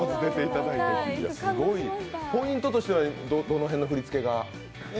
ポイントとしてはどの辺の振り付けが？